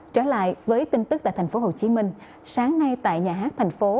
trở lại với tin tức tại tp hcm sáng nay tại nhà hát tp